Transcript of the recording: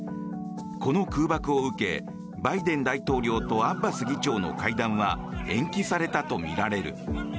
この空爆を受けバイデン大統領とアッバス議長の会談は延期されたとみられる。